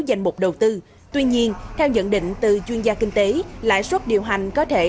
dành buộc đầu tư tuy nhiên theo nhận định từ chuyên gia kinh tế lãi suất điều hành có thể